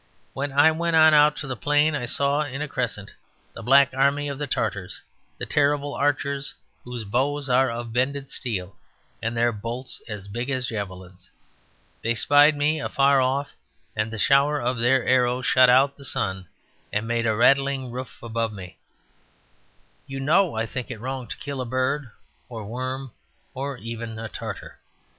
"When I went out on to the plain I saw in a crescent the black army of the Tartars, the terrible archers whose bows are of bended steel, and their bolts as big as javelins. They spied me afar off, and the shower of their arrows shut out the sun and made a rattling roof above me. You know, I think it wrong to kill a bird, or worm, or even a Tartar.